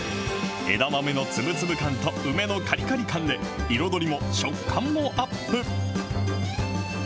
枝豆の粒々感と梅のカリカリ感で、彩りも食感もアップ。